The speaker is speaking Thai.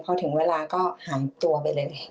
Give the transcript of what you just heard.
พอถึงเวลาก็หายตัวไปเลย